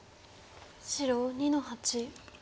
白２の八。